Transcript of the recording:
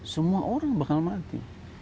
semua orang bakal mati